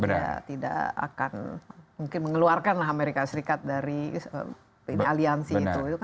dia tidak akan mungkin mengeluarkanlah amerika serikat dari aliansi itu